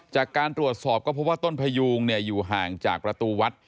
จากการตรวจสอบก็พบว่าต้นพยูงอยู่ห่างจากประตูวัด